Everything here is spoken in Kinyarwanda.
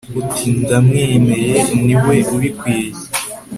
uti ' ndamwemeye ni we ubikwiye